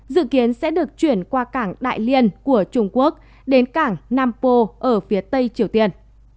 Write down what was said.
dự kiến sẽ được chuyển qua cảng đại liên của trung quốc đến cảng nam po ở phía tây triều tiên